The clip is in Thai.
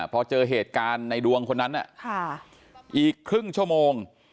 พอเจอเหตุการณ์ในดวงคนนั้นอีกครึ่งชั่วโมง